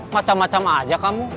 macam macam aja kamu